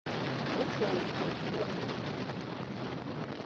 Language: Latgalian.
Opols kai stropols.